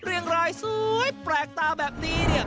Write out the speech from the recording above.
เรียงรายสวยแปลกตาแบบนี้